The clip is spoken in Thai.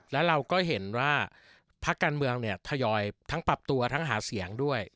และเห็นว่าภักด์การเมืองทยอยทั้งปรับตัวทั้งหาเสียงด้วย